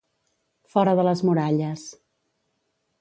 Fora de les muralles.